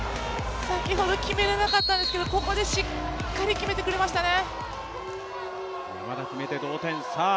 先ほど決められなかったんですけどここでしっかり決めてくれましたね。